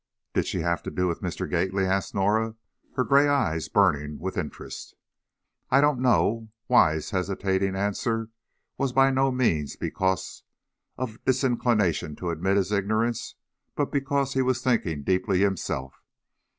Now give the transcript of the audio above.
"Did she have to do with Mr. Gately?" asked Norah, her gray eyes burning with interest. "I don't know." Wise's hesitating answer was by no means because of disinclination to admit his ignorance, but because he was thinking deeply himself.